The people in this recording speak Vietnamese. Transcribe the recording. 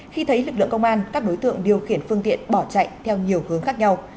khi thấy lực lượng công an các đối tượng điều khiển phương tiện bỏ chạy theo nhiều hướng khác nhau